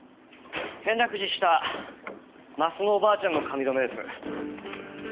転落死した鱒乃おばあちゃんの髪留めです。